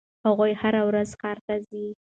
هغوی هره ورځ ښار ته ځي.